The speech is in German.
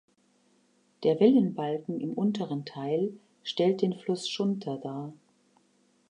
Der Wellenbalken im unteren Teil stellt den Fluss Schunter dar.